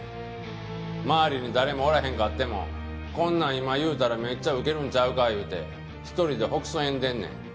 周りに誰もおらへんかってもこんなん今言うたらめっちゃウケるんちゃうか言うて一人でほくそ笑んでんねん。